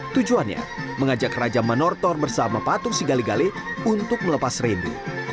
tujuannya mengajak raja manortor bersama patung sigale gale untuk melepas rindu